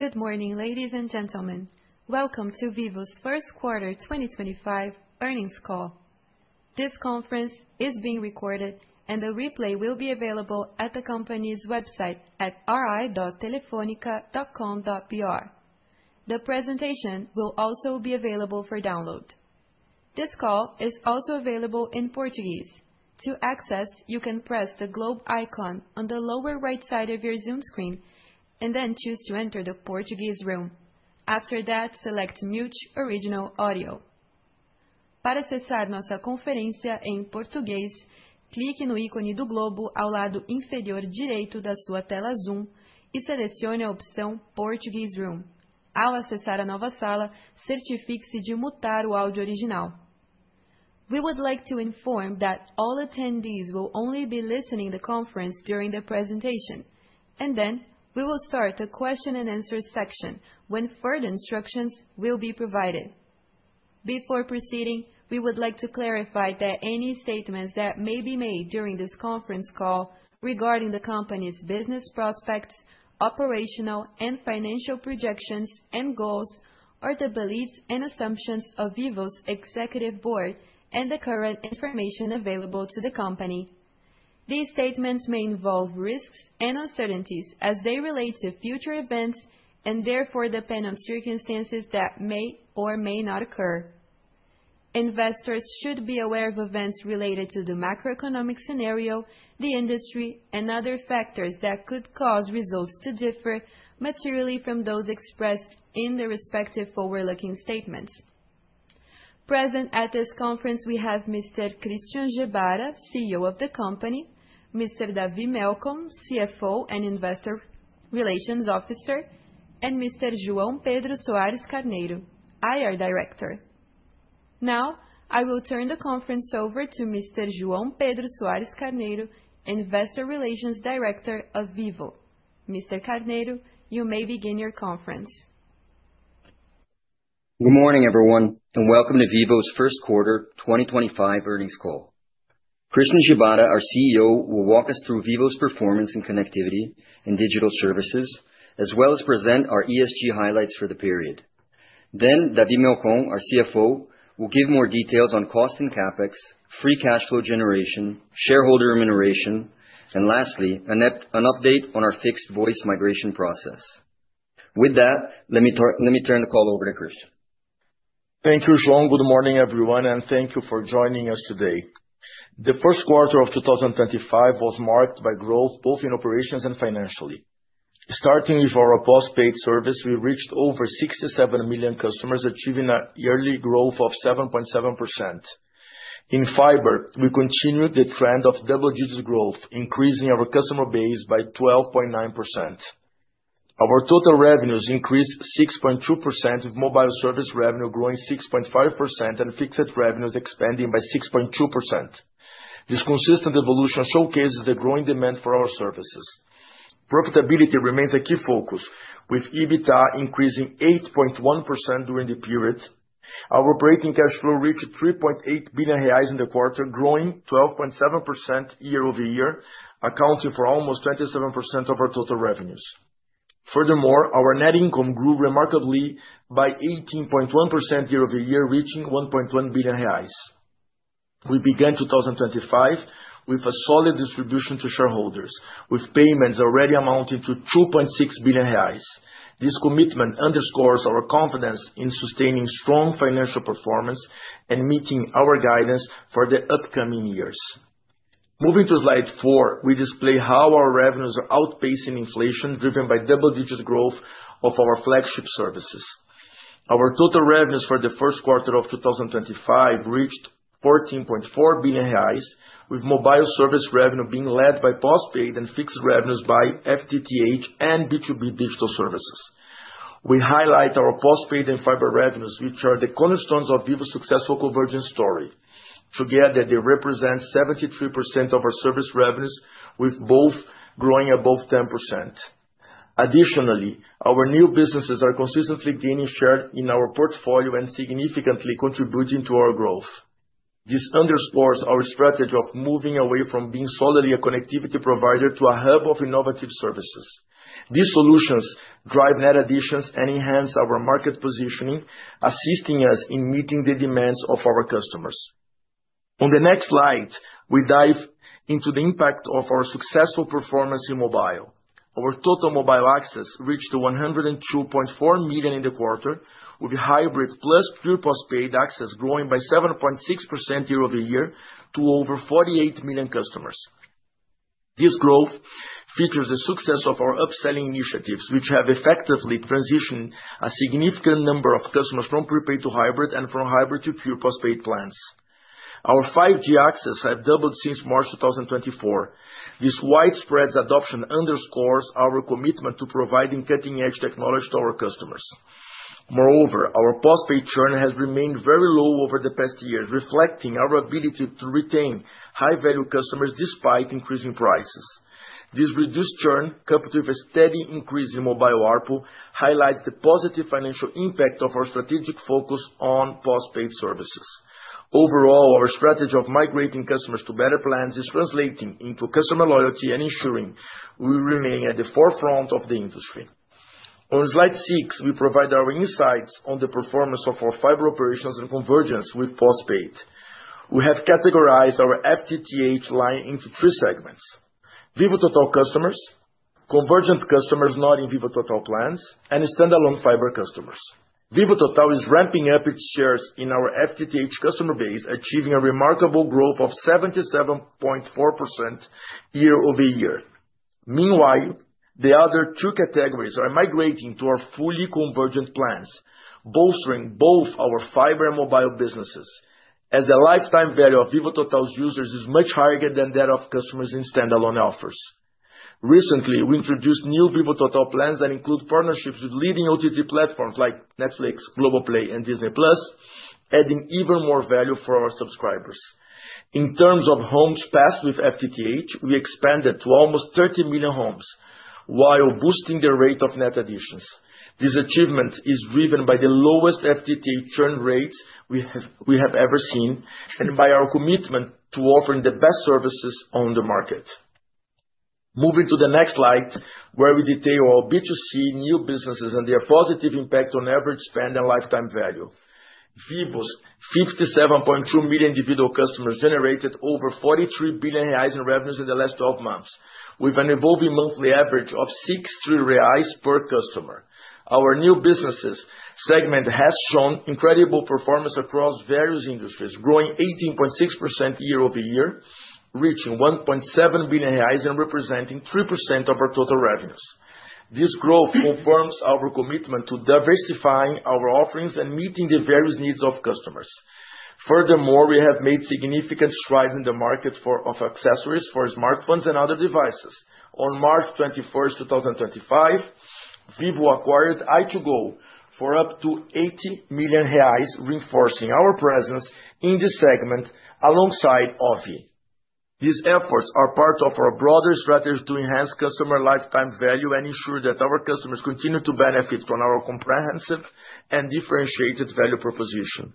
Good morning, ladies and gentlemen. Welcome to Vivo's First Quarter 2025 Earnings Call. This conference is being recorded, and the replay will be available at the company's website at ri.telefonica.com.br. The presentation will also be available for download. This call is also available in Portuguese. To access, you can press the globe icon on the lower right side of your Zoom screen and then choose to enter the Portuguese Room. After that, select Mute Original Audio. Para acessar nossa conferência em português, clique no ícone do globo ao lado inferior direito da sua tela Zoom e selecione a opção Portuguese Room. Ao acessar a nova sala, certifique-se de mutar o áudio original. We would like to inform that all attendees will only be listening to the conference during the presentation, and then we will start the question-and-answer section when further instructions will be provided. Before proceeding, we would like to clarify that any statements that may be made during this conference call regarding the company's business prospects, operational and financial projections and goals, or the beliefs and assumptions of Vivo's executive board and the current information available to the company. These statements may involve risks and uncertainties as they relate to future events and therefore depend on circumstances that may or may not occur. Investors should be aware of events related to the macroeconomic scenario, the industry, and other factors that could cause results to differ materially from those expressed in the respective forward-looking statements. Present at this conference, we have Mr. Christian Gebara, CEO of the company, Mr. David Melcon, CFO and Investor Relations Officer, and Mr. João Pedro Soares Carneiro, IR Director. Now, I will turn the conference over to Mr. João Pedro Soares Carneiro, Investor Relations Director of Vivo. Mr. Carneiro, you may begin your conference. Good morning, everyone, and welcome to Vivo's First Quarter 2025 earnings call. Christian Gebara, our CEO, will walk us through Vivo's performance in connectivity and digital services, as well as present our ESG highlights for the period. Then, David Melcon, our CFO, will give more details on cost and CapEx, free cash flow generation, shareholder remuneration, and lastly, an update on our fixed voice migration process. With that, let me turn the call over to Christian. Thank you, João. Good morning, everyone, and thank you for joining us today. The first quarter of 2025 was marked by growth both in operations and financially. Starting with our postpaid service, we reached over 67 million customers, achieving a yearly growth of 7.7%. In fiber, we continued the trend of double-digit growth, increasing our customer base by 12.9%. Our total revenues increased 6.2%, with mobile service revenue growing 6.5% and fixed revenues expanding by 6.2%. This consistent evolution showcases the growing demand for our services. Profitability remains a key focus, with EBITDA increasing 8.1% during the period. Our operating cash flow reached 3.8 billion reais in the quarter, growing 12.7% year-over-year, accounting for almost 27% of our total revenues. Furthermore, our net income grew remarkably by 18.1% year-over-year, reaching 1.1 billion reais. We began 2025 with a solid distribution to shareholders, with payments already amounting to 2.6 billion reais. This commitment underscores our confidence in sustaining strong financial performance and meeting our guidance for the upcoming years. Moving to slide four, we display how our revenues are outpacing inflation driven by double-digit growth of our flagship services. Our total revenues for the first quarter of 2025 reached 14.4 billion reais, with mobile service revenue being led by postpaid and fixed revenues by FTTH and B2B digital services. We highlight our postpaid and fiber revenues, which are the cornerstones of Vivo's successful convergence story. Together, they represent 73% of our service revenues, with both growing above 10%. Additionally, our new businesses are consistently gaining share in our portfolio and significantly contributing to our growth. This underscores our strategy of moving away from being solely a connectivity provider to a hub of innovative services. These solutions drive net additions and enhance our market positioning, assisting us in meeting the demands of our customers. On the next slide, we dive into the impact of our successful performance in mobile. Our total mobile access reached 102.4 million in the quarter, with hybrid plus pure postpaid access growing by 7.6% year-over-year to over 48 million customers. This growth features the success of our upselling initiatives, which have effectively transitioned a significant number of customers from prepaid to hybrid and from hybrid to pure postpaid plans. Our 5G access has doubled since March 2024. This widespread adoption underscores our commitment to providing cutting-edge technology to our customers. Moreover, our postpaid churn has remained very low over the past years, reflecting our ability to retain high-value customers despite increasing prices. This reduced churn, coupled with a steady increase in mobile ARPU, highlights the positive financial impact of our strategic focus on postpaid services. Overall, our strategy of migrating customers to better plans is translating into customer loyalty and ensuring we remain at the forefront of the industry. On slide six, we provide our insights on the performance of our fiber operations and convergence with postpaid. We have categorized our FTTH line into three segments: Vivo Total customers, convergent customers not in Vivo Total plans, and standalone fiber customers. Vivo Total is ramping up its shares in our FTTH customer base, achieving a remarkable growth of 77.4% year-over-year. Meanwhile, the other two categories are migrating to our fully convergent plans, bolstering both our fiber and mobile businesses, as the lifetime value of Vivo Total's users is much higher than that of customers in standalone offers. Recently, we introduced new Vivo Total plans that include partnerships with leading OTT platforms like Netflix, Globoplay, and Disney Plus, adding even more value for our subscribers. In terms of homes passed with FTTH, we expanded to almost 30 million homes while boosting the rate of net additions. This achievement is driven by the lowest FTTH churn rates we have ever seen and by our commitment to offering the best services on the market. Moving to the next slide, where we detail our B2C new businesses and their positive impact on average spend and lifetime value. Vivo's 57.2 million individual customers generated over 43 billion reais in revenues in the last 12 months, with an evolving monthly average of 63 reais per customer. Our new businesses segment has shown incredible performance across various industries, growing 18.6% year-over-year, reaching 1.7 billion reais and representing 3% of our total revenues. This growth confirms our commitment to diversifying our offerings and meeting the various needs of customers. Furthermore, we have made significant strides in the market for accessories for smartphones and other devices. On March 21, 2025, Vivo acquired i2GO for up to 80 million reais, reinforcing our presence in this segment alongside OVVI. These efforts are part of our broader strategy to enhance customer lifetime value and ensure that our customers continue to benefit from our comprehensive and differentiated value proposition.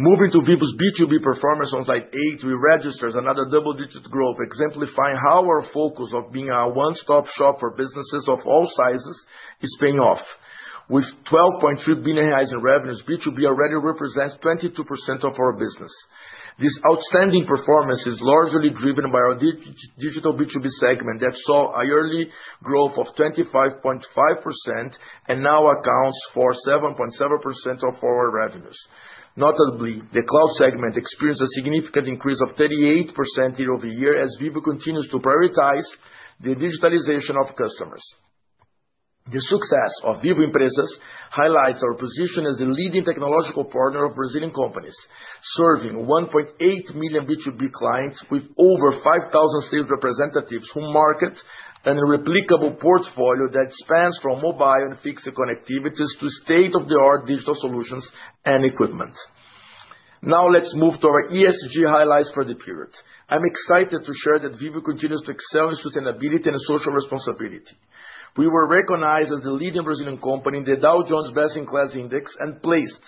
Moving to Vivo's B2B performance on slide eight, we register another double-digit growth, exemplifying how our focus of being a one-stop shop for businesses of all sizes is paying off. With 12.3 billion reais in revenues, B2B already represents 22% of our business. This outstanding performance is largely driven by our digital B2B segment that saw a yearly growth of 25.5% and now accounts for 7.7% of our revenues. Notably, the cloud segment experienced a significant increase of 38% year-over-year as Vivo continues to prioritize the digitalization of customers. The success of Vivo Empresas highlights our position as a leading technological partner of Brazilian companies, serving 1.8 million B2B clients with over 5,000 sales representatives who market an irreplicable portfolio that spans from mobile and fixed connectivities to state-of-the-art digital solutions and equipment. Now, let's move to our ESG highlights for the period. I'm excited to share that Vivo continues to excel in sustainability and social responsibility. We were recognized as the leading Brazilian company in the Dow Jones Best-in-Class Index and placed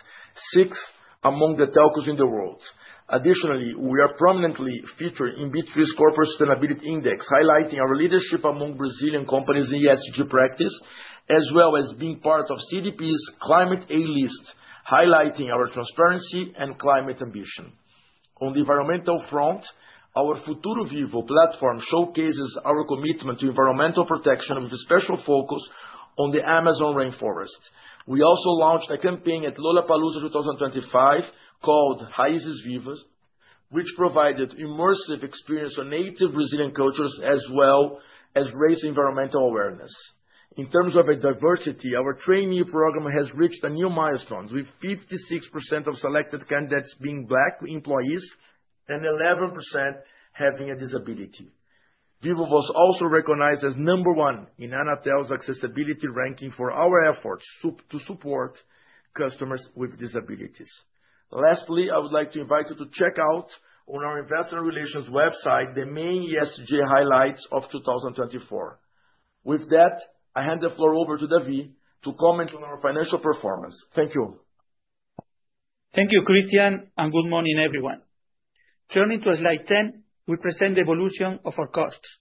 sixth among the telcos in the world. Additionally, we are prominently featured in B3's Corporate Sustainability Index, highlighting our leadership among Brazilian companies in ESG practice, as well as being part of CDP's Climate A List, highlighting our transparency and climate ambition. On the environmental front, our Futuro Vivo platform showcases our commitment to environmental protection with a special focus on the Amazon Rainforest. We also launched a campaign at Lollapalooza 2025 called Raízes Vivas, which provided immersive experiences on native Brazilian cultures, as well as raised environmental awareness. In terms of diversity, our trainee program has reached new milestones, with 56% of selected candidates being Black employees and 11% having a disability. Vivo was also recognized as number one in Anatel's accessibility ranking for our efforts to support customers with disabilities. Lastly, I would like to invite you to check out on our Investor Relations website the main ESG highlights of 2024. With that, I hand the floor over to David to comment on our financial performance. Thank you. Thank you, Christian, and good morning, everyone. Turning to slide 10, we present the evolution of our costs.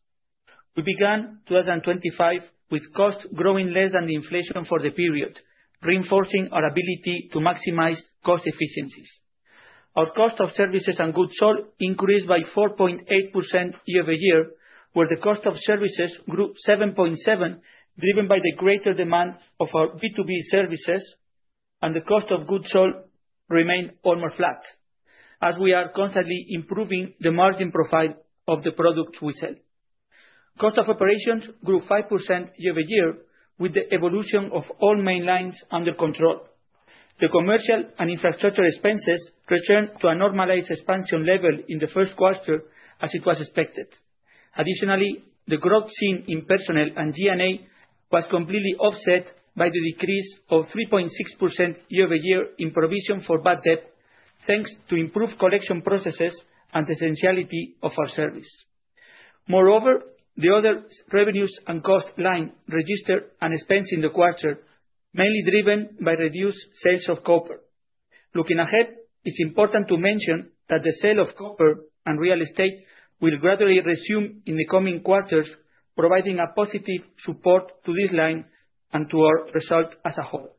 We began 2025 with costs growing less than the inflation for the period, reinforcing our ability to maximize cost efficiencies. Our cost of services and goods sold increased by 4.8% year-over-year, where the cost of services grew 7.7%, driven by the greater demand of our B2B services, and the cost of goods sold remained almost flat, as we are constantly improving the margin profile of the products we sell. Cost of operations grew 5% year-over-year, with the evolution of all main lines under control. The commercial and infrastructure expenses returned to a normalized expansion level in the first quarter, as it was expected. Additionally, the growth seen in personnel and G&A was completely offset by the decrease of 3.6% year-over-year in provision for bad debt, thanks to improved collection processes and the essentiality of our service. Moreover, the other revenues and cost lines registered an expense in the quarter, mainly driven by reduced sales of copper. Looking ahead, it's important to mention that the sale of copper and real estate will gradually resume in the coming quarters, providing positive support to this line and to our result as a whole.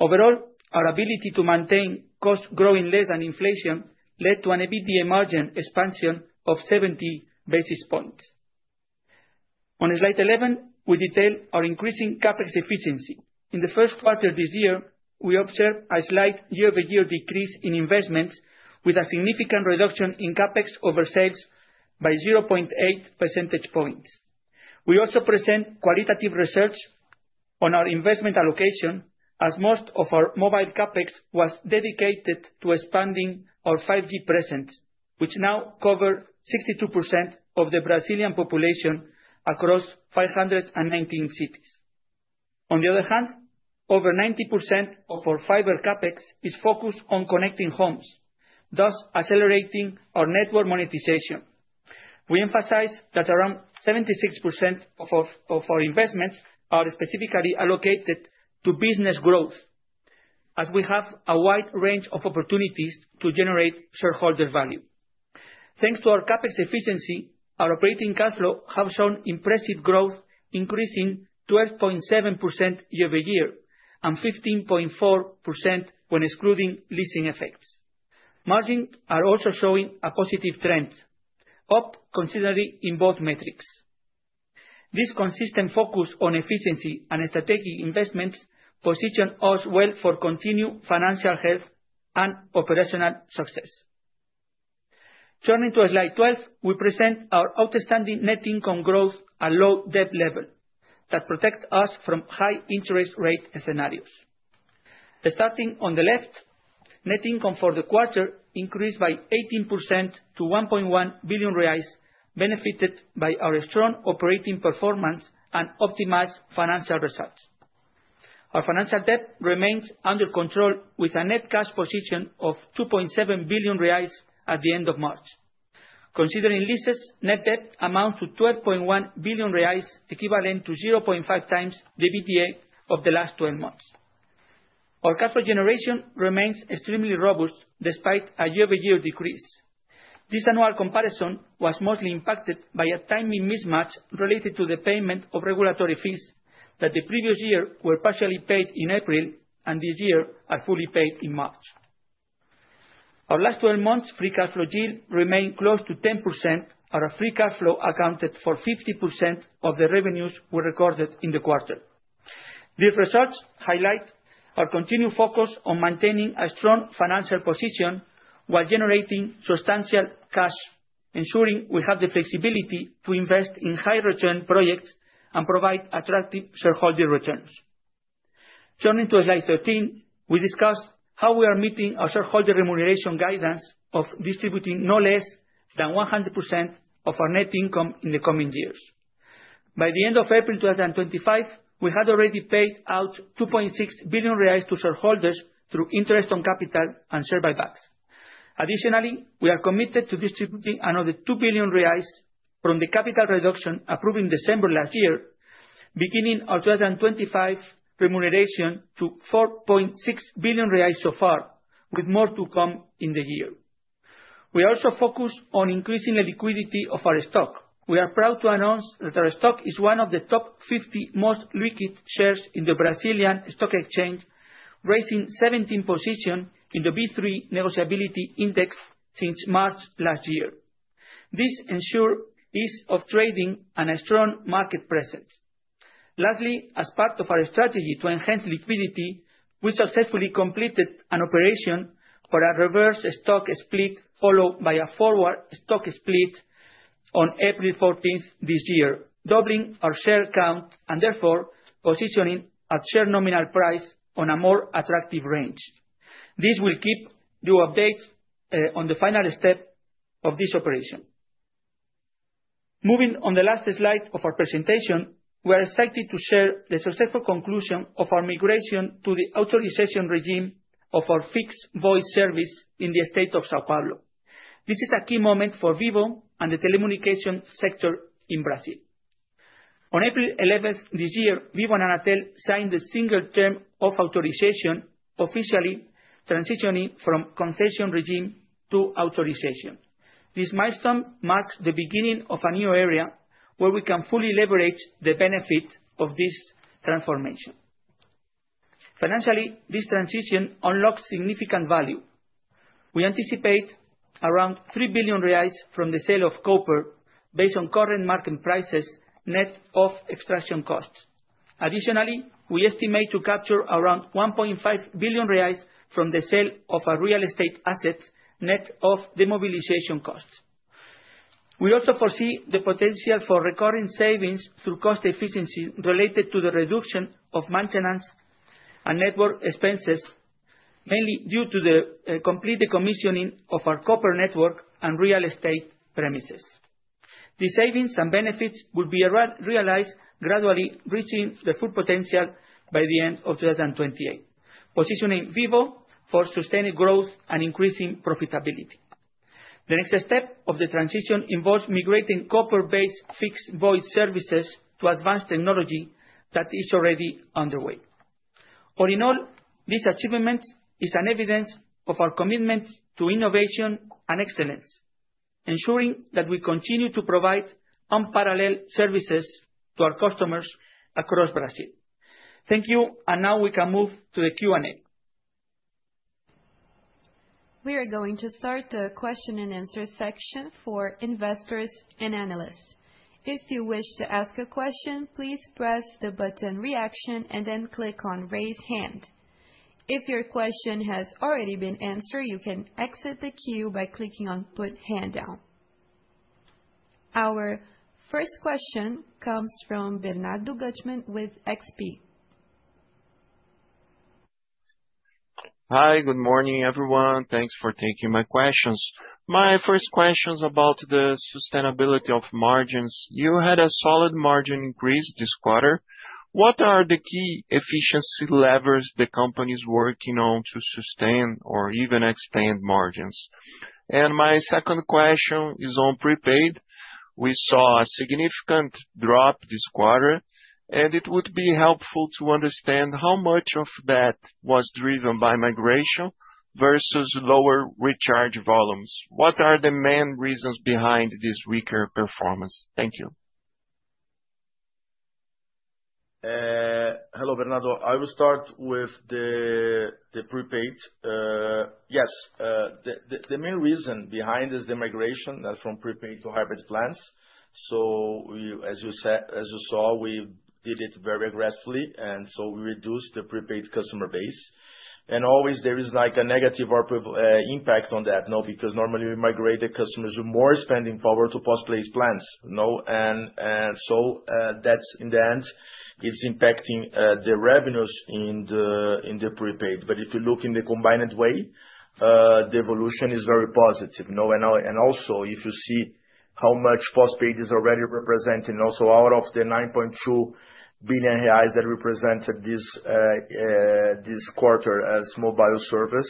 Overall, our ability to maintain costs growing less than inflation led to an EBITDA margin expansion of 70 basis points. On slide 11, we detail our increasing CapEx efficiency. In the first quarter this year, we observed a slight year-over-year decrease in investments, with a significant reduction in CapEx oversales by 0.8 percentage points. We also present qualitative research on our investment allocation, as most of our mobile CapEx was dedicated to expanding our 5G presence, which now covers 62% of the Brazilian population across 519 cities. On the other hand, over 90% of our fiber CapEx is focused on connecting homes, thus accelerating our network monetization. We emphasize that around 76% of our investments are specifically allocated to business growth, as we have a wide range of opportunities to generate shareholder value. Thanks to our CapEx efficiency, our operating cash flow has shown impressive growth, increasing 12.7% year-over-year and 15.4% when excluding leasing effects. Margins are also showing a positive trend, up considerably in both metrics. This consistent focus on efficiency and strategic investments positions us well for continued financial health and operational success. Turning to slide 12, we present our outstanding net income growth at low debt level that protects us from high interest rate scenarios. Starting on the left, net income for the quarter increased by 18% to 1.1 billion reais, benefited by our strong operating performance and optimized financial results. Our financial debt remains under control, with a net cash position of 2.7 billion reais at the end of March. Considering leases, net debt amounts to 12.1 billion reais, equivalent to 0.5 times the EBITDA of the last 12 months. Our cash flow generation remains extremely robust despite a year-over-year decrease. This annual comparison was mostly impacted by a timing mismatch related to the payment of regulatory fees that the previous year were partially paid in April and this year are fully paid in March. Our last 12 months' free cash flow yield remained close to 10%. Our free cash flow accounted for 50% of the revenues we recorded in the quarter. These results highlight our continued focus on maintaining a strong financial position while generating substantial cash, ensuring we have the flexibility to invest in high-return projects and provide attractive shareholder returns. Turning to slide 13, we discussed how we are meeting our shareholder remuneration guidance of distributing no less than 100% of our net income in the coming years. By the end of April 2025, we had already paid out 2.6 billion reais to shareholders through interest on capital and share buybacks. Additionally, we are committed to distributing another 2 billion reais from the capital reduction approved in December last year, beginning our 2025 remuneration to 4.6 billion reais so far, with more to come in the year. We are also focused on increasing the liquidity of our stock. We are proud to announce that our stock is one of the top 50 most liquid shares in the Brazilian stock exchange, raising 17 positions in the B3 negotiability index since March last year. This ensures ease of trading and a strong market presence. Lastly, as part of our strategy to enhance liquidity, we successfully completed an operation for a reverse stock split followed by a forward stock split on April 14 this year, doubling our share count and therefore positioning at share nominal price on a more attractive range. This will keep you updated on the final step of this operation. Moving on the last slide of our presentation, we are excited to share the successful conclusion of our migration to the authorization regime of our fixed voice service in the state of São Paulo. This is a key moment for Vivo and the telecommunications sector in Brazil. On April 11 this year, Vivo and Anatel signed the single term of authorization, officially transitioning from concession regime to authorization. This milestone marks the beginning of a new era where we can fully leverage the benefits of this transformation. Financially, this transition unlocks significant value. We anticipate around 3 billion reais from the sale of copper based on current market prices net of extraction costs. Additionally, we estimate to capture around 1.5 billion reais from the sale of our real estate assets net of demobilization costs. We also foresee the potential for recurring savings through cost efficiency related to the reduction of maintenance and network expenses, mainly due to the complete commissioning of our copper network and real estate premises. These savings and benefits will be realized gradually, reaching their full potential by the end of 2028, positioning Vivo for sustained growth and increasing profitability. The next step of the transition involves migrating copper-based fixed voice services to advanced technology that is already underway. All in all, this achievement is evidence of our commitment to innovation and excellence, ensuring that we continue to provide unparalleled services to our customers across Brazil. Thank you, and now we can move to the Q&A. We are going to start the question-and-answer section for investors and analysts. If you wish to ask a question, please press the button "Reaction" and then click on "Raise Hand." If your question has already been answered, you can exit the queue by clicking on "Put Hand Down." Our first question comes from Bernardo Guttmann with XP. Hi, good morning, everyone. Thanks for taking my questions. My first question is about the sustainability of margins. You had a solid margin increase this quarter. What are the key efficiency levers the company is working on to sustain or even expand margins? My second question is on prepaid. We saw a significant drop this quarter, and it would be helpful to understand how much of that was driven by migration versus lower recharge volumes. What are the main reasons behind this weaker performance? Thank you. Hello, Bernardo. I will start with the prepaid. Yes, the main reason behind is the migration from prepaid to hybrid plans. As you saw, we did it very aggressively, and we reduced the prepaid customer base. Always, there is like a negative impact on that, because normally, we migrate the customers with more spending power to postpaid plans. In the end, it is impacting the revenues in the prepaid. If you look in the combined way, the evolution is very positive. Also, if you see how much postpaid is already representing, out of the 9.2 billion reais that represented this quarter as mobile service,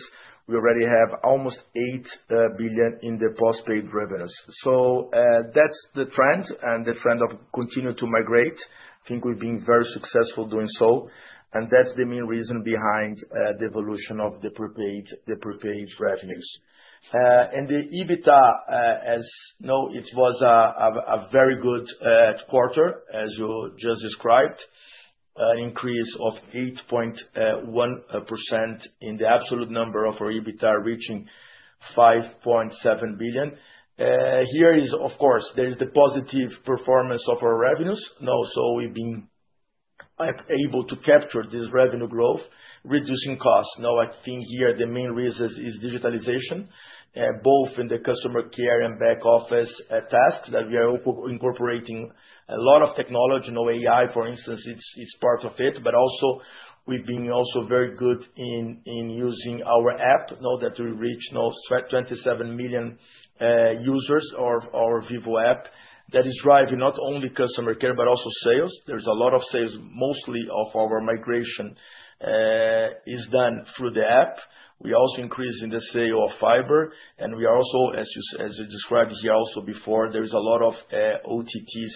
we already have almost 8 billion in the postpaid revenues. That is the trend and the trend of continuing to migrate. I think we've been very successful doing so, and that's the main reason behind the evolution of the prepaid revenues. The EBITDA, as it was a very good quarter, as you just described, an increase of 8.1% in the absolute number of our EBITDA reaching 5.7 billion. Here, of course, there is the positive performance of our revenues. We've been able to capture this revenue growth, reducing costs. I think here the main reason is digitalization, both in the customer care and back office tasks that we are incorporating a lot of technology. AI, for instance, is part of it, but also we've been also very good in using our app that we reached 27 million users or our Vivo App that is driving not only customer care, but also sales. There's a lot of sales, mostly of our migration is done through the app. We also increased in the sale of fiber, and we are also, as you described here also before, there is a lot of OTTs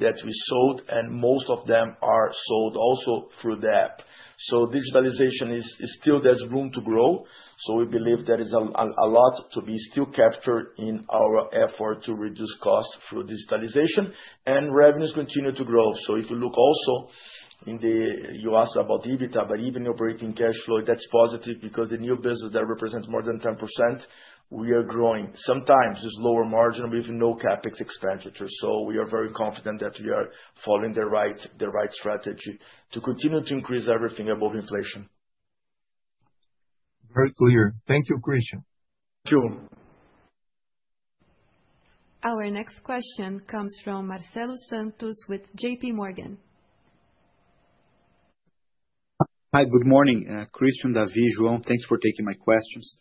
that we sold, and most of them are sold also through the app. Digitalization still has room to grow. We believe there is a lot to be still captured in our effort to reduce costs through digitalization, and revenues continue to grow. If you look also in the, you asked about EBITDA, but even operating cash flow, that is positive because the new business that represents more than 10%, we are growing. Sometimes it is lower margin with no CapEx expenditure. We are very confident that we are following the right strategy to continue to increase everything above inflation. Very clear. Thank you, Christian. Thank you. Our next question comes from Marcelo Santos with JPMorgan. Hi, good morning, Christian, David, João. Thanks for taking my questions.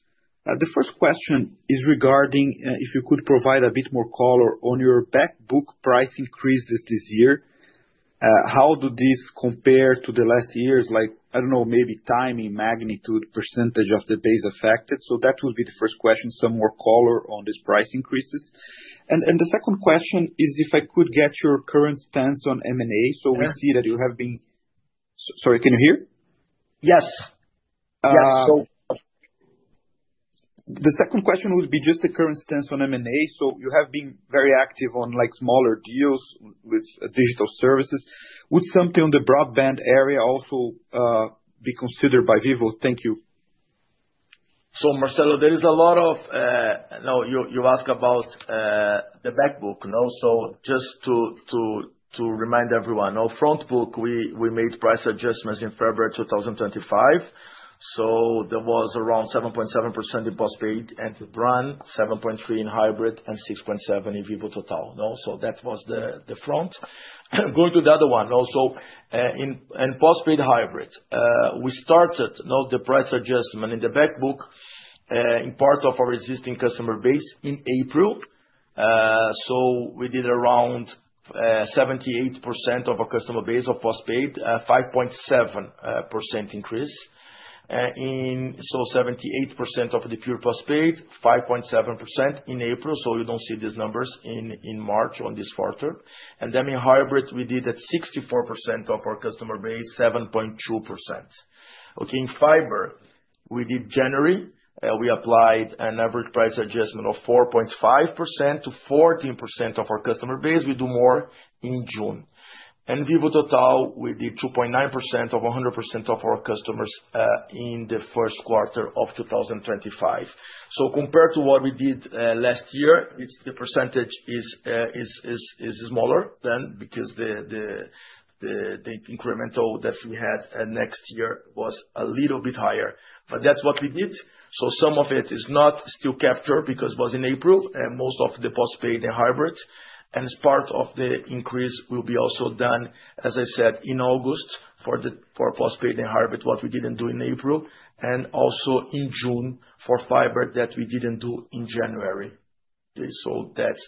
The first question is regarding if you could provide a bit more color on your backbook price increases this year. How do these compare to the last years? Like, I do not know, maybe timing, magnitude, percentage of the base affected. That would be the first question, some more color on these price increases. The second question is if I could get your current stance on M&A. We see that you have been, sorry, can you hear? Yes. Yes. The second question would be just the current stance on M&A. You have been very active on smaller deals with digital services. Would something on the broadband area also be considered by Vivo? Thank you. Marcelo, there is a lot of, you ask about the backbook. Just to remind everyone, frontbook, we made price adjustments in February 2025. There was around 7.7% in postpaid and around 7.3% in hybrid and 6.7% in Vivo Total. That was the front. Going to the other one, in postpaid hybrid, we started the price adjustment in the backbook in part of our existing customer base in April. We did around 78% of our customer base of postpaid, a 5.7% increase. Seventy-eight percent of the pure postpaid, 5.7% in April. You do not see these numbers in March on this quarter. In hybrid, we did at 64% of our customer base, 7.2%. In fiber, we did January. We applied an average price adjustment of 4.5% to 14% of our customer base. We do more in June. In Vivo Total, we did 2.9% of 100% of our customers in the first quarter of 2025. Compared to what we did last year, the percentage is smaller because the incremental that we had next year was a little bit higher. That is what we did. Some of it is not still captured because it was in April and most of the postpaid and hybrids. As part of the increase, it will be also done, as I said, in August for postpaid and hybrid, what we did not do in April, and also in June for fiber that we did not do in January. That is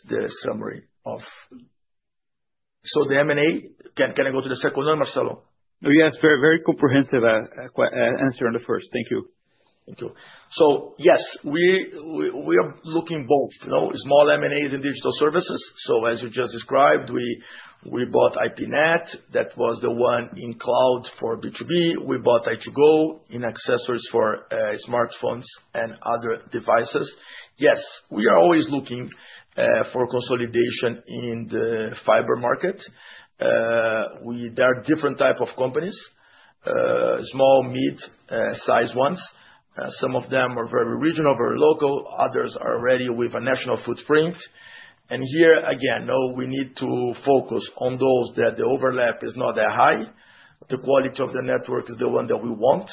the summary of. Can I go to the second one, Marcelo? Yes, very comprehensive answer on the first. Thank you. Thank you. Yes, we are looking at both small M&As in digital services. As you just described, we bought IPNET. That was the one in cloud for B2B. We bought i2GO in accessories for smartphones and other devices. Yes, we are always looking for consolidation in the fiber market. There are different types of companies, small, mid, size ones. Some of them are very regional, very local. Others are ready with a national footprint. Here, again, we need to focus on those where the overlap is not that high. The quality of the network is the one that we want,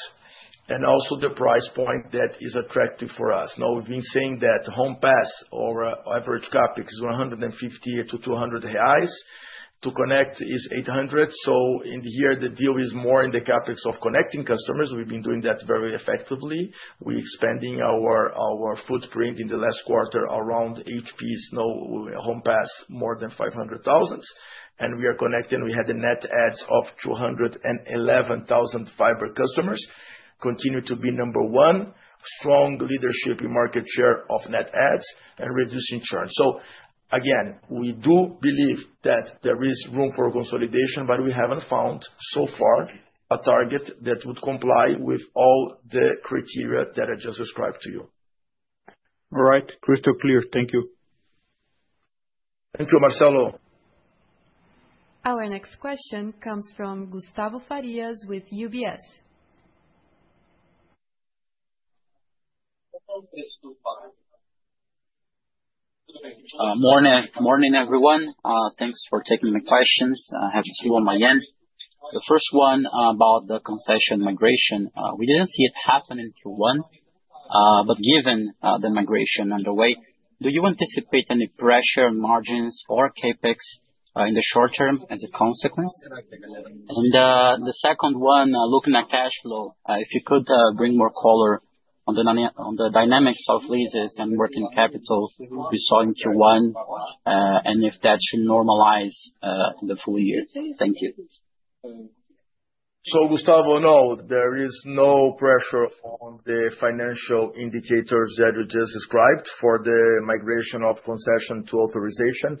and also the price point that is attractive for us. We've been saying that HomePass or average CapEx is 150-200 reais. To connect is 800. In here, the deal is more in the CapEx of connecting customers. We've been doing that very effectively. We're expanding our footprint in the last quarter around HomePass, more than 500,000. We are connecting. We had a net adds of 211,000 fiber customers, continue to be number one, strong leadership in market share of net adds and reducing churn. We do believe that there is room for consolidation, but we haven't found so far a target that would comply with all the criteria that I just described to you. All right, crystal clear. Thank you. Thank you, Marcelo. Our next question comes from Gustavo Farias with UBS. Morning, everyone. Thanks for taking my questions. I have two on my end. The first one about the concession migration. We did not see it happening for one, but given the migration underway, do you anticipate any pressure on margins or CapEx in the short term as a consequence? The second one, looking at cash flow, if you could bring more color on the dynamics of leases and working capital we saw in Q1, and if that should normalize in the full year. Thank you. Gustavo, no, there is no pressure on the financial indicators that you just described for the migration of concession to authorization.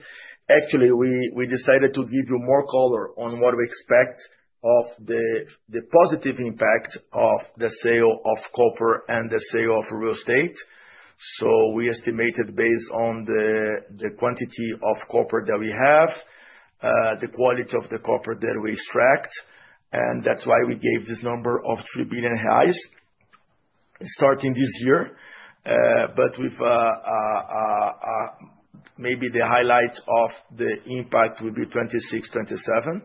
Actually, we decided to give you more color on what we expect of the positive impact of the sale of copper and the sale of real estate. We estimated based on the quantity of copper that we have, the quality of the copper that we extract, and that is why we gave this number of 3 billion reais starting this year. Maybe the highlight of the impact will be 2026-2027.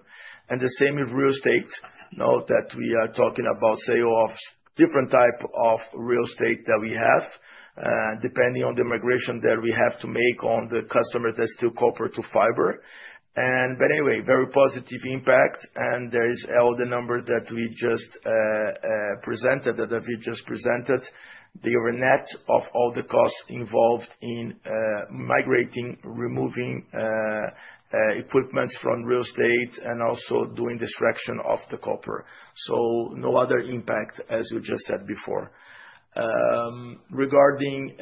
The same with real estate, we are talking about sale of different types of real estate that we have, depending on the migration that we have to make on the customer that is still corporate to fiber. Anyway, very positive impact, and there is all the numbers that we just presented, the net of all the costs involved in migrating, removing equipment from real estate, and also doing the extraction of the copper. No other impact, as you just said before. Regarding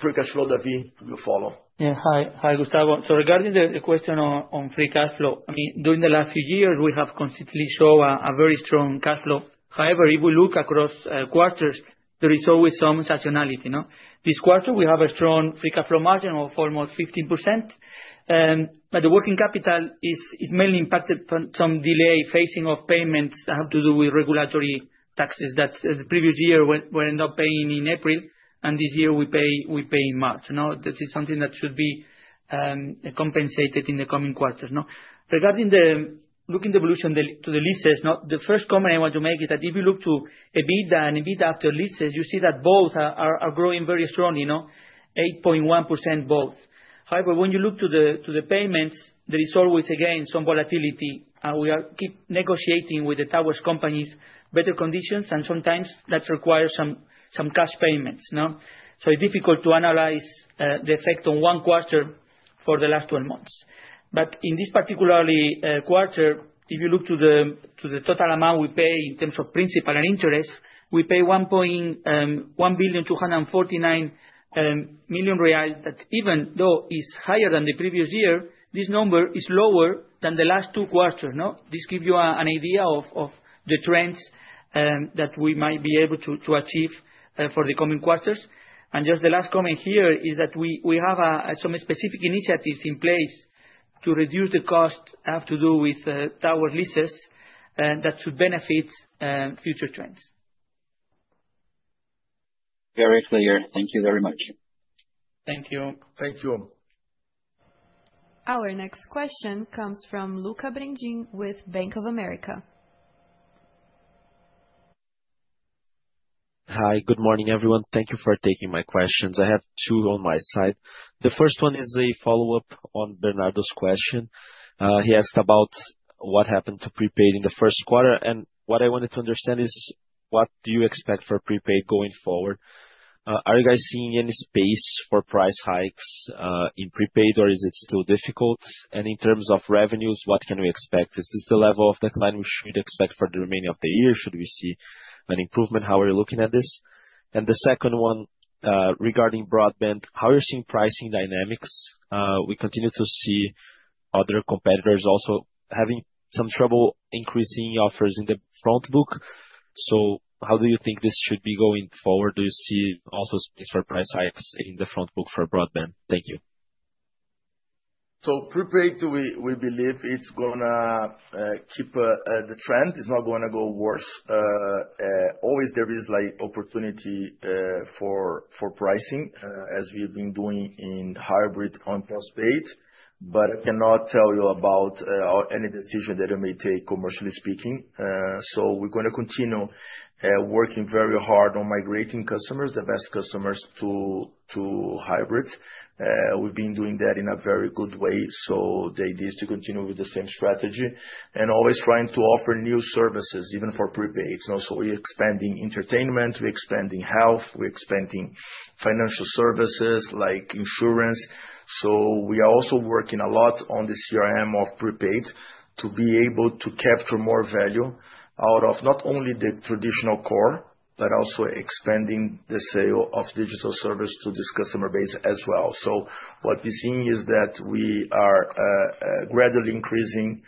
free cash flow, David, we will follow. Yeah, hi, Gustavo. So regarding the question on free cash flow, I mean, during the last few years, we have consistently shown a very strong cash flow. However, if we look across quarters, there is always some saturation. This quarter, we have a strong free cash flow margin of almost 15%. The working capital is mainly impacted from some delay facing of payments that have to do with regulatory taxes that the previous year we end up paying in April, and this year we pay in March. That is something that should be compensated in the coming quarters. Regarding looking the evolution to the leases, the first comment I want to make is that if you look to EBITDA and EBITDA after leases, you see that both are growing very strongly, 8.1% both. However, when you look to the payments, there is always, again, some volatility. We are negotiating with the towers companies, better conditions, and sometimes that requires some cash payments. It is difficult to analyze the effect on one quarter for the last 12 months. In this particular quarter, if you look to the total amount we pay in terms of principal and interest, we pay 1.249 billion real. Even though it is higher than the previous year, this number is lower than the last two quarters. This gives you an idea of the trends that we might be able to achieve for the coming quarters. Just the last comment here is that we have some specific initiatives in place to reduce the costs that have to do with tower leases that should benefit future trends. Very clear. Thank you very much. Thank you. Thank you. Our next question comes from Lucca Brendim with Bank of America. Hi, good morning, everyone. Thank you for taking my questions. I have two on my side. The first one is a follow-up on Bernardo's question. He asked about what happened to prepaid in the first quarter. What I wanted to understand is what do you expect for prepaid going forward? Are you guys seeing any space for price hikes in prepaid, or is it still difficult? In terms of revenues, what can we expect? Is this the level of decline we should expect for the remaining of the year? Should we see an improvement? How are you looking at this? The second one regarding broadband, how are you seeing pricing dynamics? We continue to see other competitors also having some trouble increasing offers in the frontbook. How do you think this should be going forward? Do you see also space for price hikes in the frontbook for broadband? Thank you. Prepaid, we believe it's going to keep the trend. It's not going to go worse. Always there is opportunity for pricing as we've been doing in hybrid on postpaid. I cannot tell you about any decision that it may take, commercially speaking. We're going to continue working very hard on migrating customers, the best customers to hybrid. We've been doing that in a very good way. The idea is to continue with the same strategy and always trying to offer new services even for prepaid. We're expanding entertainment, we're expanding health, we're expanding financial services like insurance. We are also working a lot on the CRM of prepaid to be able to capture more value out of not only the traditional core, but also expanding the sale of digital service to this customer base as well. What we're seeing is that we are gradually increasing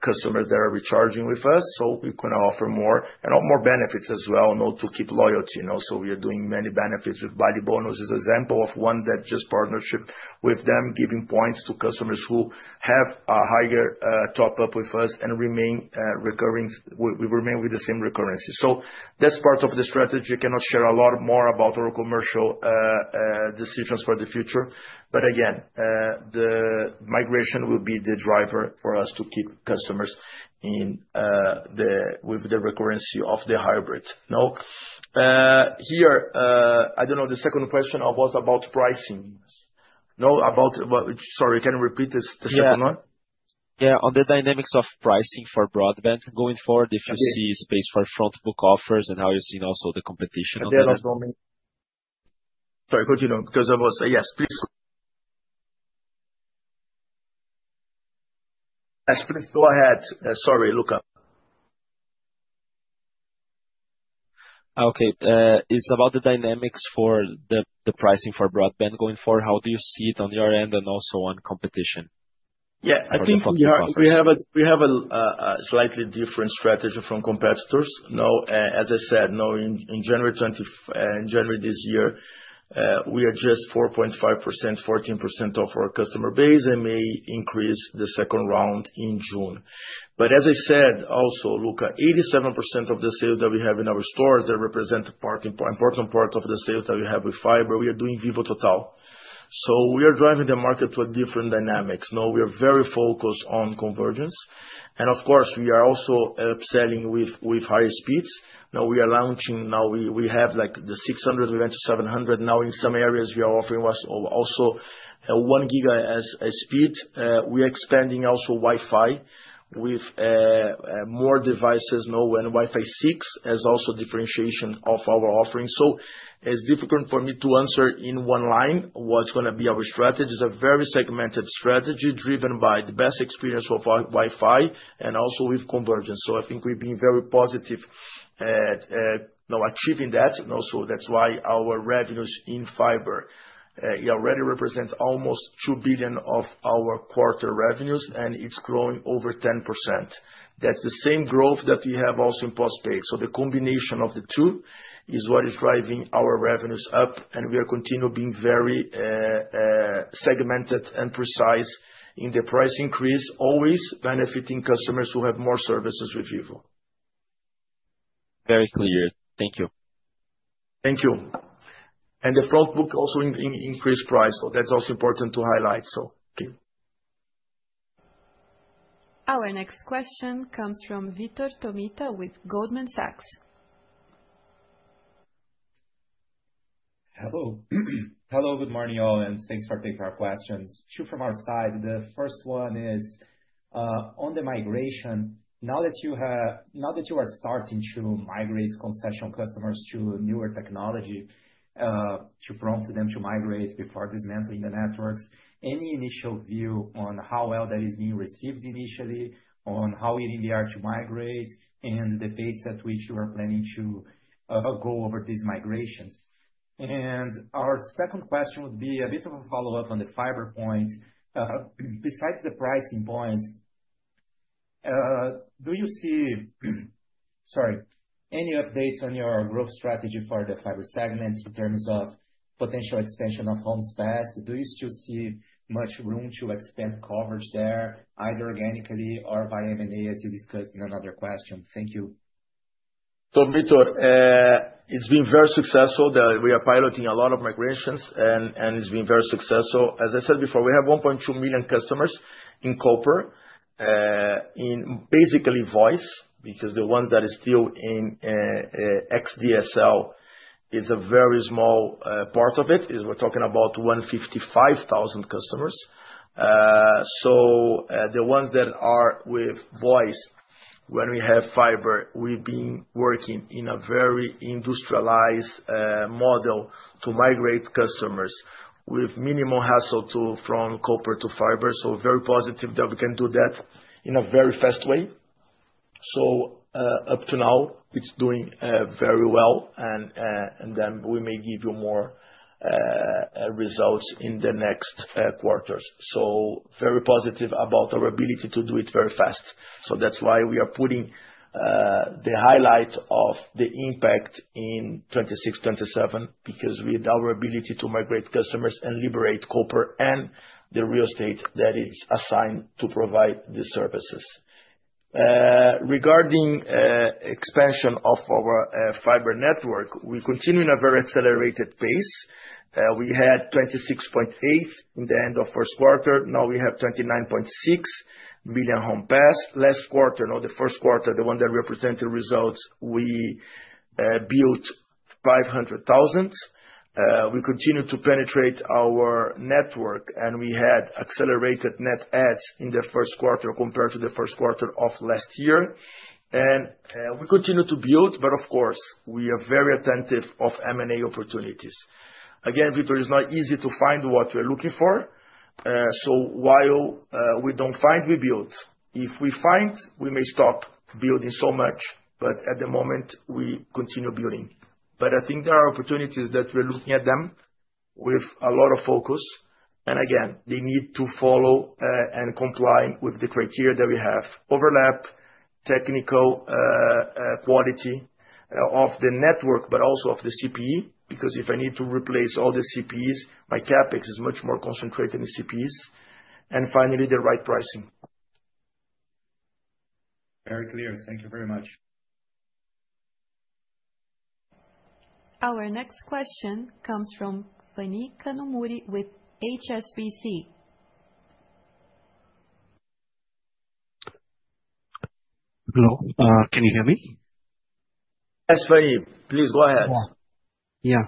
customers that are recharging with us. We are going to offer more and more benefits as well to keep loyalty. We are doing many benefits with value bonuses. Example of one is that partnership with them, giving points to customers who have a higher top-up with us and remain recurring. We remain with the same recurrency. That is part of the strategy. I cannot share a lot more about our commercial decisions for the future. Again, the migration will be the driver for us to keep customers with the recurrency of the hybrid. Here, I do not know, the second question was about pricing. Sorry, can you repeat the second one? Yeah. On the dynamics of pricing for broadband going forward, if you see space for frontbook offers and how you're seeing also the competition on the. Sorry, continue. Because I was, yes, please. Yes, please go ahead. Sorry, Lucca. Okay. It's about the dynamics for the pricing for broadband going forward. How do you see it on your end and also on competition? Yeah, I think we have a slightly different strategy from competitors. As I said, in January this year, we are just 4.5%, 14% of our customer base and may increase the second round in June. As I said also, Lucca, 87% of the sales that we have in our stores that represent an important part of the sales that we have with fiber, we are doing Vivo Total. We are driving the market to a different dynamics. We are very focused on convergence. Of course, we are also selling with high speeds. We are launching now. We have the 600, we went to 700. Now in some areas, we are offering also 1 gig as a speed. We are expanding also Wi-Fi with more devices and Wi-Fi 6 as also differentiation of our offering. It's difficult for me to answer in one line what's going to be our strategy. It's a very segmented strategy driven by the best experience of Wi-Fi and also with convergence. I think we've been very positive achieving that. That's why our revenues in fiber already represent almost 2 billion of our quarter revenues, and it's growing over 10%. That's the same growth that we have also in postpaid. The combination of the two is what is driving our revenues up, and we are continuing to be very segmented and precise in the price increase, always benefiting customers who have more services with Vivo. Very clear. Thank you. Thank you. The frontbook also increased price. That's also important to highlight. Thank you. Our next question comes from Vitor Tomita with Goldman Sachs. Hello. Hello, good morning, all, and thanks for taking our questions. Two from our side. The first one is on the migration. Now that you are starting to migrate concession customers to a newer technology, to prompt them to migrate before dismantling the networks, any initial view on how well that is being received initially, on how easy they are to migrate, and the pace at which you are planning to go over these migrations? Our second question would be a bit of a follow-up on the fiber point. Besides the pricing points, do you see, sorry, any updates on your growth strategy for the fiber segment in terms of potential expansion of HomePass? Do you still see much room to expand coverage there, either organically or via M&A, as you discussed in another question? Thank you. Vitor, it's been very successful that we are piloting a lot of migrations, and it's been very successful. As I said before, we have 1.2 million customers in copper, in basically voice, because the ones that are still in XDSL is a very small part of it. We're talking about 155,000 customers. The ones that are with voice, when we have fiber, we've been working in a very industrialized model to migrate customers with minimal hassle from copper to fiber. Very positive that we can do that in a very fast way. Up to now, it's doing very well, and then we may give you more results in the next quarters. Very positive about our ability to do it very fast. That is why we are putting the highlight of the impact in 2026, 2027, because with our ability to migrate customers and liberate copper and the real estate that is assigned to provide the services. Regarding expansion of our fiber network, we continue at a very accelerated pace. We had 26.8 million HomePass at the end of the first quarter. Now we have 29.6 million HomePass. Last quarter, no, the first quarter, the one that represented results, we built 500,000. We continue to penetrate our network, and we had accelerated net adds in the first quarter compared to the first quarter of last year. We continue to build, of course, we are very attentive to M&A opportunities. Again, Vitor, it is not easy to find what we are looking for. While we do not find, we build. If we find, we may stop building so much, but at the moment, we continue building. I think there are opportunities that we're looking at them with a lot of focus. Again, they need to follow and comply with the criteria that we have: overlap, technical quality of the network, but also of the CPE, because if I need to replace all the CPEs, my CapEx is much more concentrated in CPEs. Finally, the right pricing. Very clear. Thank you very much. Our next question comes from Phani Kanumuri with HSBC. Hello. Can you hear me? Yes, Phani. Please go ahead. Yeah.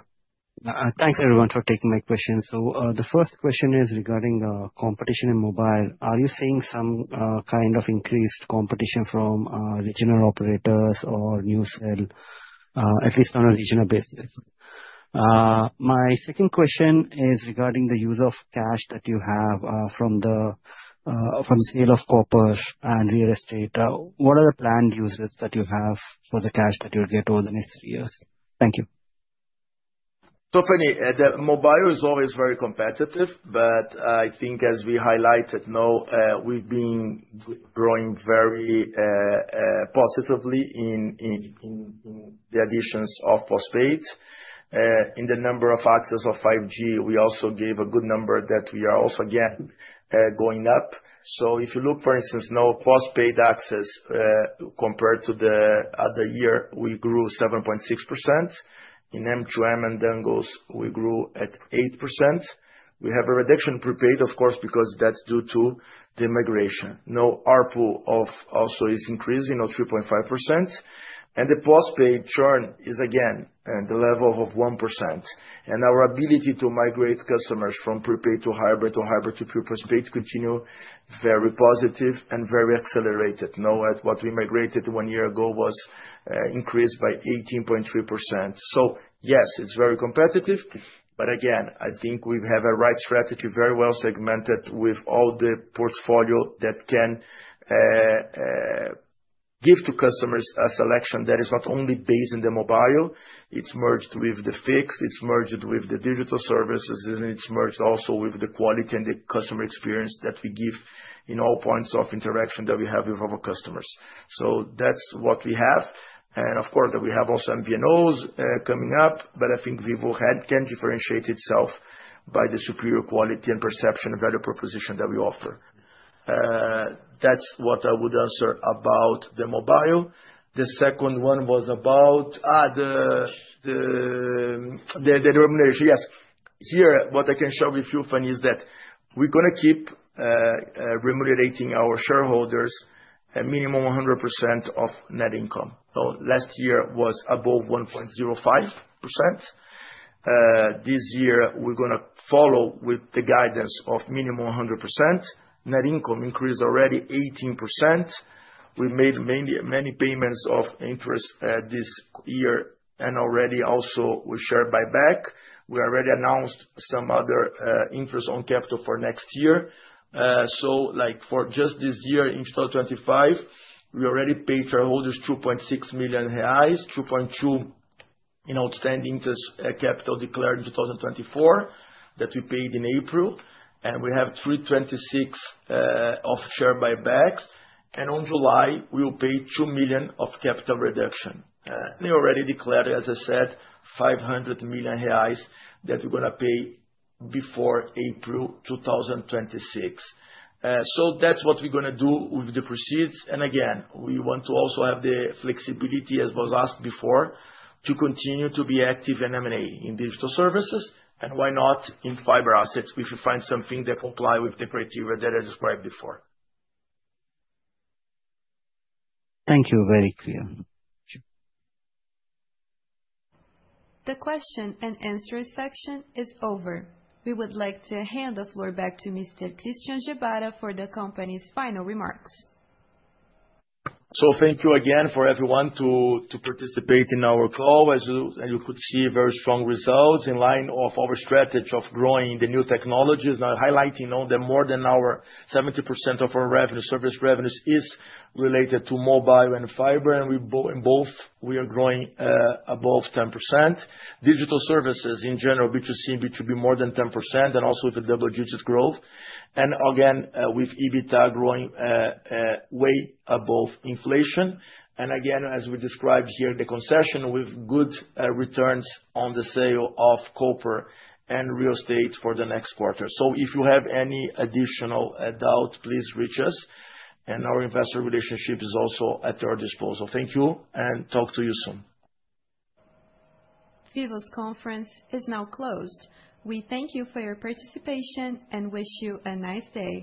Thanks, everyone, for taking my questions. The first question is regarding competition in mobile. Are you seeing some kind of increased competition from regional operators or new sale, at least on a regional basis? My second question is regarding the use of cash that you have from the sale of copper and real estate. What are the planned uses that you have for the cash that you'll get over the next three years? Thank you. Phani, the mobile is always very competitive, but I think as we highlighted, we've been growing very positively in the additions of postpaid. In the number of access of 5G, we also gave a good number that we are also, again, going up. If you look, for instance, postpaid access compared to the other year, we grew 7.6%. In M2M and dongles, we grew at 8%. We have a reduction in prepaid, of course, because that's due to the migration. Now, our ARPU also is increasing at 3.5%. The postpaid churn is, again, at the level of 1%. Our ability to migrate customers from prepaid to hybrid to hybrid to prepaid to continue is very positive and very accelerated. What we migrated one year ago was increased by 18.3%. Yes, it's very competitive. Again, I think we have a right strategy, very well segmented with all the portfolio that can give to customers a selection that is not only based in the mobile. It's merged with the fixed. It's merged with the digital services, and it's merged also with the quality and the customer experience that we give in all points of interaction that we have with our customers. That's what we have. Of course, we have also MVNOs coming up, but I think Vivo can differentiate itself by the superior quality and perception of value proposition that we offer. That's what I would answer about the mobile. The second one was about the remuneration. Yes. Here, what I can show with you, Phani, is that we're going to keep remunerating our shareholders a minimum of 100% of net income. Last year was above 1.05%. This year, we're going to follow with the guidance of minimum 100%. Net income increased already 18%. We made many payments of interest this year, and already also we shared buyback. We already announced some other interest on capital for next year. For just this year, in 2025, we already paid shareholders 2.6 million reais, 2.2 million in outstanding capital declared in 2024 that we paid in April. We have 326 million of share buybacks. In July, we will pay 2 million of capital reduction. They already declared, as I said, 500 million reais that we're going to pay before April 2026. That's what we're going to do with the proceeds. We want to also have the flexibility, as was asked before, to continue to be active in M&A in digital services, and why not in fiber assets if we find something that complies with the criteria that I described before. Thank you. Very clear. The question-and-answer section is over. We would like to hand the floor back to Mr. Christian Gebara for the company's final remarks. Thank you again for everyone to participate in our call. As you could see, very strong results in line of our strategy of growing the new technologies. Now, highlighting that more than 70% of our service revenues is related to mobile and fiber, and both we are growing above 10%. Digital services in general, B2C and B2B, more than 10%, and also with a double-digit growth. Again, with EBITDA growing way above inflation. Again, as we described here, the concession with good returns on the sale of copper and real estate for the next quarter. If you have any additional doubt, please reach us. Our investor relationship is also at your disposal. Thank you, and talk to you soon. Vivo's conference is now closed. We thank you for your participation and wish you a nice day.